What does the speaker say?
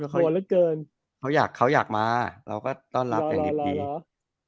ข็อกลัวเหลือเกินเขาอยากอยากมาเราก็ต้อนรับอย่างดีทีประสาท